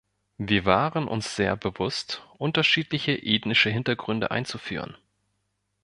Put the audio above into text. Wir waren uns sehr bewusst, unterschiedliche ethnische Hintergründe einzuführen.